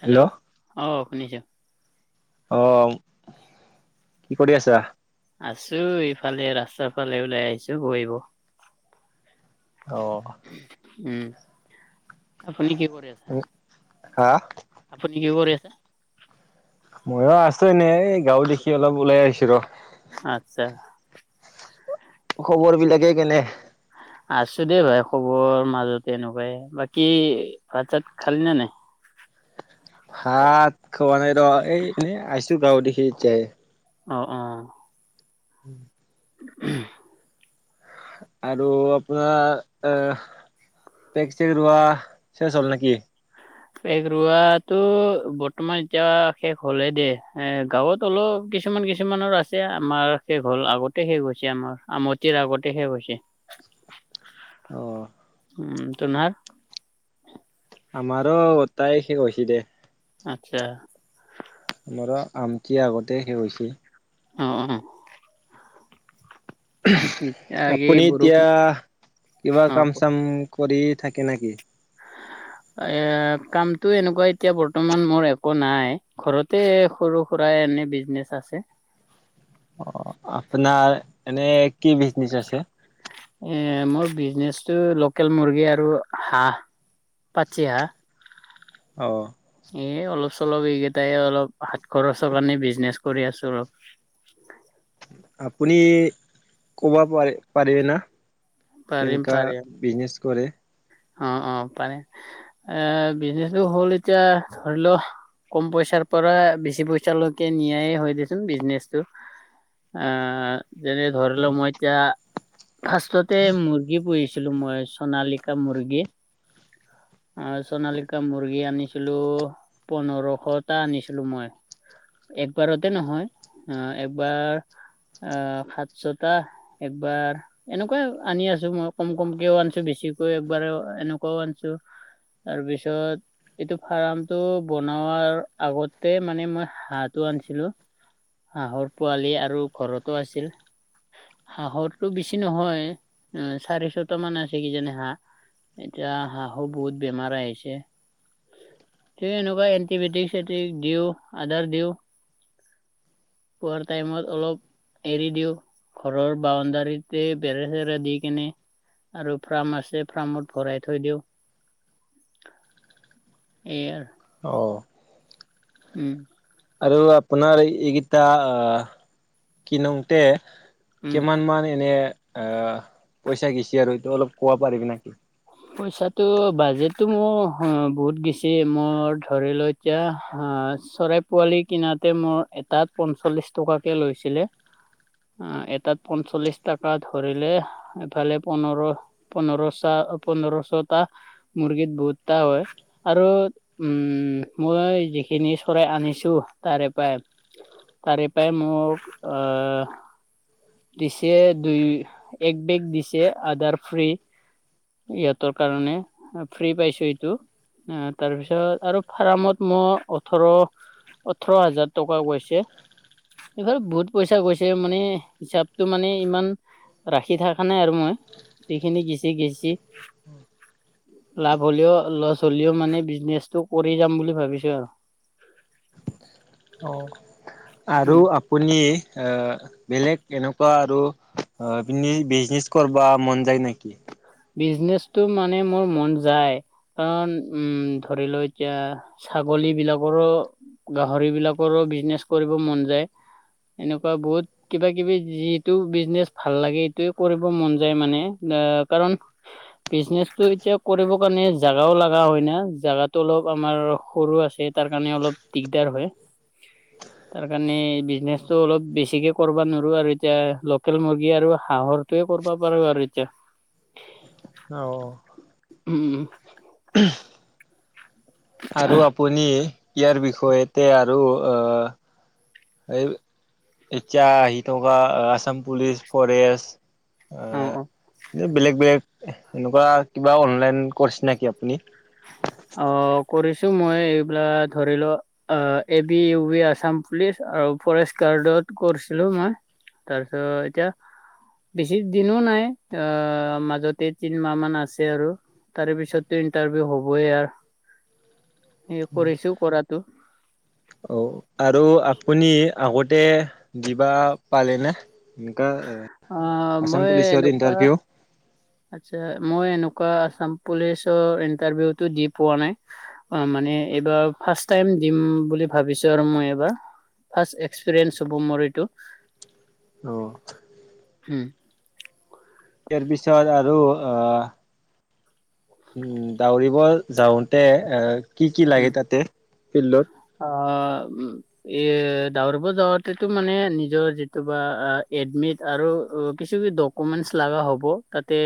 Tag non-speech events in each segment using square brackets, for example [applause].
Hello, অ, শুনিছা? অ, কি কৰি আছা? আছো ইফালে ৰাস্তাৰ ফালে ওলাই আহিছোঁ বহিব। অ', উম, আপুনি কি কৰি আছে? [unintelligible] হা? আপুনি কি কৰি আছে? ময়ো আছোঁ এনে এই গাঁও দেখি অলপ ওলাই আহিছো ৰ'। আচ্ছা। খবৰবিলাকে কেনে? আছো দে ভাই খবৰ মাজতে এনেকুৱাই বাকী ভাত-চাত খালি নে নাই? ভাত খোৱা নাই ৰ এই এনেই আহিছো গাঁৱ দেখি এতিয়াহে। অ', অ', উম, [unintelligible] আৰু আপোনাৰ অহ, পেক চেক ৰোৱা চেচ হ'ল নেকি? পেগ ৰোৱাটো বৰ্তমান এতিয়া শেষ হ'লেই দে এ গাঁৱত। অলপ কিছুমান- কিছুমানৰ আছে আমাৰ শেষ হল আগতে শেষ হৈছে আমাৰ আমতীৰ আগতে শেষ হৈছে। অ', উম, তুহনাৰ? আমাৰো গটাই শেষ হৈছি দে। আচ্ছা। মৰ আমতী আগতে শেষ হৈছে। অ', অ', [unintelligible] বাকী আপুনি এতিয়া বৰষুণ কিবা অ কাম ক চাম কৰি থাকে নেকি? এ কামটো এনেকুৱা এতিয়া বৰ্তমান মোৰ একো নাই। ঘৰতে সৰু -সুৰা এনে বিজনেচ আছে। অ, আপোনাৰ এনে কি বিজনেচ আছে? এ মোৰ বিজনেচটো লোকেল মুৰ্গী আৰু হাঁহ। পাতি আহা। অ', এ অলপ চলপ এইকেইটাই অলপ সাত খৰচৰ কাৰণে বিজনেচ কৰি আছোঁ অলপ। আপুনি ক'বা পাৰে -পাৰে না? পাৰিম কেনকা পাৰিম বিজনেচ কৰে? অ', অ', পাৰে এ বিজনেচো হ'ল এতিয়া ধৰি ল' কম পইচাৰ পৰা বেছি পইচালৈকে নিয়াইয়ে হয় দিয়াচোন বিজনেচটো। অ, যেনে ধৰি ল' মই এতিয়া ফাৰ্ষ্টতে মুৰ্গী পুহিছিলো মই চণালী তে মুৰ্গী আহ চণালিকা মুৰ্গী আনিছিলোঁ পোন্ধৰশটা আনিছিলোঁ মই। একবাৰতে নহয় আহ, একবাৰ আহ সাত ছটা। একবাৰ এনেকুৱাই আৰু আনি আছো মই কম -কমকেও আনিছোঁ বেছি ত'একবাৰ এনেকুৱাও আনছোঁ তাৰপিছত এইটো ফাৰ্মটো বনোৱাৰ আগতে মানে মই হাঁহটো আনছিলো। হাঁহৰ পোৱালি আৰু ঘৰতো আছিল। হাঁহৰতো বেছি নহয়জুই [unintelligible] চাৰিছটা মান আছে কিজানি হাঁহ। এতিয়া হাঁহো বহুত বেমাৰ আহিছে। এই এনেকুৱা এণ্টিবায়টিক চেটিক দিওঁ আধাৰ দিওঁ পুৱাৰ টাইমত অলপ এৰি দিও ঘৰৰ বাউণ্ডাৰীতে বেৰা চেৰা দি কেনে আৰু ফ্ৰাম আছে ফ্ৰামত ভৰাই থৈ দিওঁ। [unintelligible] [inaudible] এই আৰু অঁ। উম। আৰু আপোনাৰ এইকেইটাহ কিনওঁতে উম কিমান মান এনে আহ পইচা গিচি আৰু এইটো অলপ কবা পাৰিবি নাকি? পইচাটো বাজেটটো মোৰ বহুত গেছি মোৰ ধৰি লৈ এতিয়া চৰাই পোৱালি কিনাতে মোৰ এটাত পঞ্চল্লিশ টকাকে লৈছিলে। অ, এটাত পঞ্চল্লিশ টকা ধৰিলে এফালে পোন্ধৰ পোন্ধৰশ। পোন্ধৰশটা মুৰ্গীত বহুত টা হয় আৰু উম মই যিখিনি চৰাই আনিছোঁ তাৰেপাই তাৰেপাই মোৰ অ দিছে দুই-এক বেগ দিছে আধাৰ ফ্ৰী ইহঁতৰ কাৰণে ফ্ৰী পাইছো এইটো। অ, তাৰপিছত আৰু ফাৰ্মত মই ওঠৰ ওঠৰ হাজাৰ টকা গৈছে এইফালে বহুত পইচা গৈছে মানে হিচাপটো মানে ইমান ৰাখি থকা নাই আৰু মই যিখিনি গিচি গিছি লাভ হ'লেও লছ হ'লেও মানে বিজনেচটো কৰি যাম বুলি ভাবিছো আৰু অ, আৰু উম আপুনি আহ বেলেগ এনেকুৱা আৰু অ বিজনেচ কৰবা মন যায় নেকি? বিজনেচটো মানে মোৰ মন যায় কাৰণ উম ধৰি লও এতিয়া ছাগলী বিলাকৰো গাহৰি বিলাকৰো বিজনেচ কৰিব মন যায়, এনেকুৱা বহুত কিবা-কিবি যিটো বিজনেচ ভাল লাগে এইটোয়ে কৰিব মন যায় মানে আ কাৰণ বিজনেচো এতিয়া কৰিব কাৰণে জাগাও লাগা হয় না, জাগাতো অলপ আমাৰ সৰু আছে। তাৰ কাৰণে অলপ দিগদাৰ হয় [unintelligible] [inaudible] তাৰ কাৰণে বিজনেছটো অলপ বেছিকৈ কৰিব নোৱাৰোঁ আৰু এতিয়া লোকেল মুৰ্গী আৰু হাঁহৰ টোয়ে কৰবা পাৰো আৰু এতিয়া অঁ। উম। আৰু আপুনি ইয়াৰ বিষয়তে আৰু আহ এই এতিয়া আহি থকা আছাম পুলিচ, ফৰেষ্ট অ এ বেলেগ -বেলেগ এনেকুৱা কিবা অনলাইন কৰছে নেকি আপুনি? অ কৰিছো মই, এইবিলাক ধৰি লোৱ অ A B U B Assam police আৰু ফৰেষ্ট গাৰ্ডত কৰিছিলো মই তাৰ পিচত এতিয়া বেছি দিনো নাই, অ মাজতে তিনিমাহ মান আছে আৰু তাৰে পিছতে ইন্টাৰভিউ হবই আৰ, সেই কৰিছো কৰাটো অ আৰু আপুনি আগতে দিবা পালেনে? এনেকা অ' আছাম পুলিছত ইণ্টাৰভিউ আতচ্ছা মই এনেকুৱা আছাম পুলিচৰ ইণ্টাৰভিউ টো দি পোৱা নাই। অ মানে এইবাৰ ফাৰ্ষ্ট টাইম দিম বুলি ভাবিছো আৰু মই এইবাৰ ফাৰ্ষ্ট এক্সপিৰিয়েঞ্চ হ'ব মোৰ এইটো অ হো ইয়াৰ পিছত আৰু অ উম দাউৰিব যাওঁতে এ কি কি লাগে তাতে ফিল্ডত আ উ এ দাৱৰিব যাৱতেতো মানে নিজৰ যিটো বা এডমিট আৰু অ কিছু ডক ডকুমেণ্টচ লগা হ'ব তাতে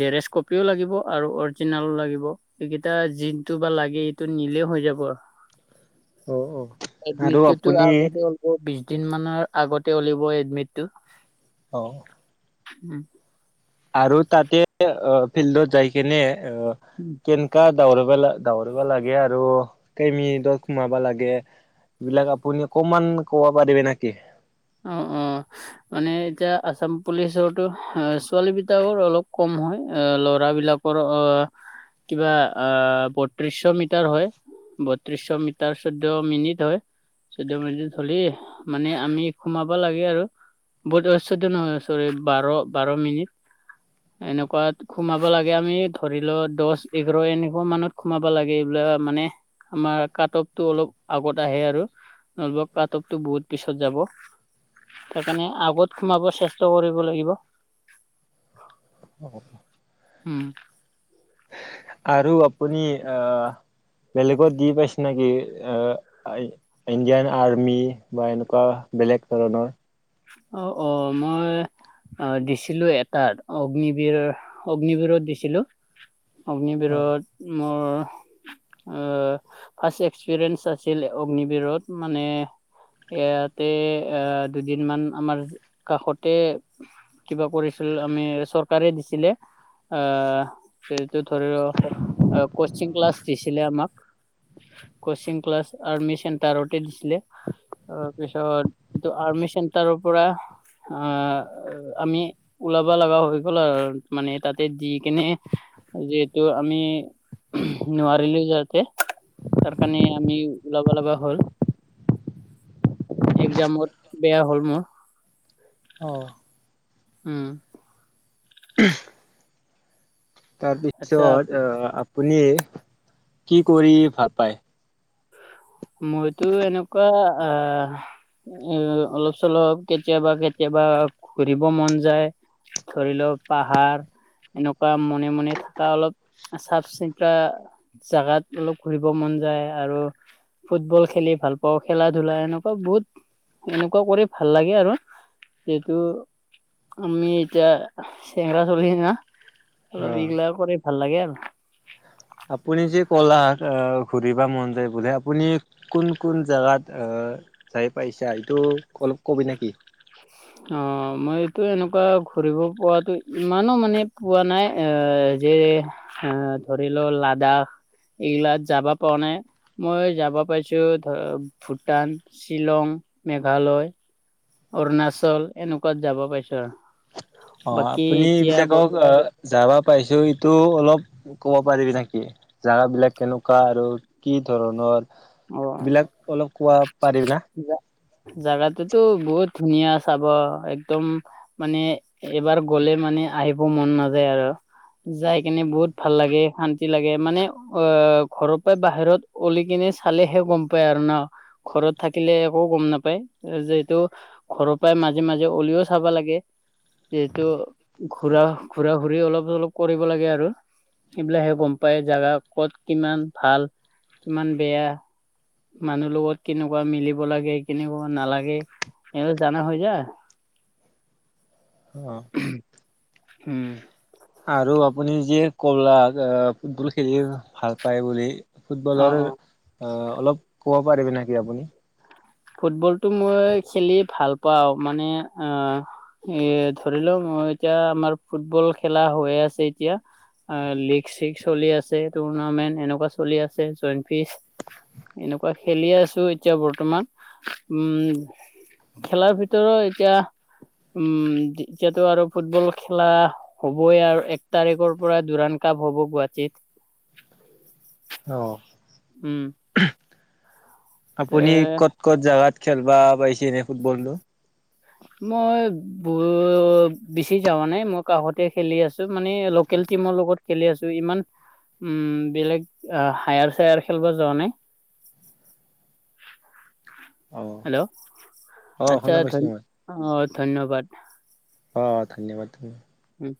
জেৰেছ কপিও লাগিব আৰু অৰিজিনেলো লাগিব। এইকেইটা যিনটো বা লাগে এইটো নিলে হৈ যাব আৰু অ অ আৰু এডমিটতো আপুনি আগতে ওলব বিশ দিন মানৰ আগতে উলিব এডমিটটো অ উম আৰু তাতে অ ফিল্ডত যাই কেনে অ উম তেনেকা দউৰিব ল দউৰিব লাগে আৰু কেই মিনিটত সোমাবা লাগে। এই বিলাক আপুনি অকনমান কব পাৰিবি নেকি? অ অ মানে এতিয়া আছাম পুলিচো ছোৱালী বিতাকৰো অলপ কম হয় ল'ৰাবিলাক ওপৰৰ অ কিবা আহ বত্ৰিশশ মিটাৰ হয় বত্ৰিশশ মিটাৰ চৈধ্য মিনিট হয় চৈধ্য মিনিট হলে মানে আমি সোমাব লাগে আৰু বহুত অ চৈধ্য নহয় চৰি বাৰ বাৰ মিনিট এনেকুৱাত সোমাব লাগে আমি ধৰি ল দহ এঘাৰ এনেকুৱা মানত সোমাব লাগে এইবিলাক মানে আমাৰ কাট অফটো অলপ আগত আহে আৰু নলব পাটপতো বহুত পিছত যাব সেইকাৰণে আগত সোমাব চেষ্টা কৰিব লাগিব। অ উম। আৰু আপুনি আহ বেলেগত দি পাইছে নেকি? আ ইণ্ডিয়ান আৰ্মি বা এনেকুৱা বেলেগ ধৰণৰ অ অ মই অ দিছিলো এটাত অগ্নিবীৰৰ অগ্নিবিৰত দিছিলো। অ', অগ্নিবৰত মোৰ ফাৰ্ষ্ট এক্সপিৰিয়েন্ঞ্চ আছিল অগ্নিবীৰত মানে। ইয়াতে আহ দুদিনমান আমাৰ কাষতে কিবা কৰিছিল আমি চৰকাৰে দিছিলে আহ সেইটো ধৰি ল‌ কচিং ক্লাছ দিছিলে আমাক। কচিং ক্লাছ আৰ্মি চেণ্টাৰতে দিছিলে। তাৰপিছত এইটো আৰ্মি চেণ্টাৰৰ পৰা আ আমি ওলাবা লগা হৈ গ'ল আৰু মানে তাতে দি কেনে যিহেতু আমি নোৱাৰিলো ইযাতে তাৰ কাৰণে আমি ওলবা লগা হ'ল। এক্সামত বেয়া হ'ল মোৰ। অ। উম। [unintelligible] আচ্ছা তাৰপিছত আহ আপুনি কি কৰি ভাল পায়? মইতো এনেকুৱা আহ এ অলপ চলপ কেতিয়াবা কেতিয়াবা ঘুৰিব মন যায়। ধৰি ল পাহাৰ এনেকুৱা মনে- মনে থাকা অলপ চাফ- চিকা জাগাত অলপ ঘুৰিব মন যায় আৰু ফুটবল খেলি ভাল পাওঁ খেলা-ধূলা এনেকুৱা বহুত এনেকুৱা কৰি ভাল লাগে আৰু যিহেতু আমি এতিয়া চেঙৰা চলি না অলপ অ', এইগিলা কৰি ভাল লাগে আৰু। আপুনি যে ক'লা আহ ঘুৰিবা মন যায় বোলে আপুনি কোন- কোন জেগাত চাই পাইছা এইটো অলপ কবি নেকি? অ, মই এইটো এনেকুৱা ঘুৰিব পোৱাতো ইমানো মানে পোৱা নাই এ যে এ ধৰি লও লাডাখ এইগিলাত যাবা পো নাই। মই যাব পাইছোঁ ধৰ ভূটান, শ্বিলং, মেঘালয় অৰুণাচল এনেকুৱাত যাব পাইছো অ, বাকী আপুনি এতিয়া এইবিলাকক বৰ্ত অ, যাবা পাইছো এইটো অলপ ক'ব পাৰিবি নেকি জোগা বিলাক কেনেকুৱা আৰু কি ধৰণৰ? বিলাক অলপ কোৱা পাৰিবি না? জাগাটোতো বহুত ধুনীয়া চাব একদম মানে এবাৰ গ'লে মানে আহিব মন নাযায় আৰু। যাই কেনে বহুত ভাল লাগে শান ন্তি লাগে মানে অ, ঘৰৰ পৰা বাহিৰত অলি কিনে চালেহে গম পায় আৰু ন? ঘৰত থাকিলে একো গম নাপায় যিহেতু ঘৰৰ পৰাই মাজে -মাজে অলিও চাবা লাগে। যিহেতু ঘূৰা -ঘূৰা -ঘূৰি অলপ চলপ কৰিব লাগে আৰু। এইবিলাকহে গম পায় জাগা কত কিমান ভাল কিমান বেয়া। মানুহ লগত কেনু কোৱা মিলিব লাগে কেনেকুৱা নালাগে সেইটো জানা হৈ যায় অ', উম, আৰু আপুনি যিয়ে কলাক ফুটবল খেলি ভাল পায় বুলি ফুটবলৰ অ, অলপ কবা পাৰিবি নেকি আপুনি? ফুটবলটো মই খেলি ভাল পাওঁ মানে অহ এ ধৰি লও মই এতিয়া আমাৰ ফুটবল খেলা হৈ আছে এতিয়া অ, লীগ চিগ চলি আছে টুৰ্ণামেণ্ট এনেকুৱা চলি আছে জইন ফিচ এনেকুৱা খেলিয়েই আছো এতিয়া বৰ্তমান উম খেলাৰ ভিতৰ এতিয়া উম এতিয়াতো আৰু ফুটবল খেলা হ'বই আৰু এক তাৰিখৰ পৰা দোৰাণ কাপ হ'ব গুৱাহাটীত অ', উম, আপুনি এ ক'ত ক'ত জাগাত খেলবা পাইছে এনে ফুটবলটো? তো মই বোৰ বিচি যাৱা নাই মই কাষতে খেলি আছোঁ মানে লকেল টিমৰ লগত খেলি আছো ইমান উম, বেলেগ আ হায়াৰ চায়াৰ খেলিব যোৱা নাই। অ হেল্ল', অ আচ্ছা শুনা পাইছো ধন মই অ, ধন্যবাদ। অ, ধন্যবাদ উম,